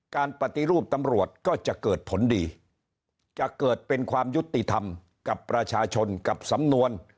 การปฏิรูปตำรวจก็จะเกิดผลดีจะเกิดเป็นความยุติธรรมกับประชาชนกับสำนวน